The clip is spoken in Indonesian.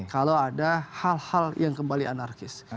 kalau ada hal hal yang kembali anarkis